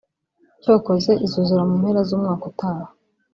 cyokoze izuzura mu mpera z’umwaka utaha